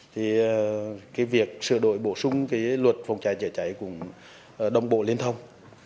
thì cái việc sửa đổi bổ sung cái luật phòng cháy chữa cháy cùng đồng bộ liên thông